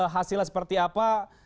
hasilnya seperti apa